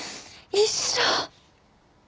一生。